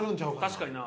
確かにな。